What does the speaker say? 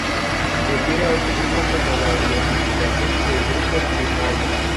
Refieren a este grupo como la identificación de grupo primaria.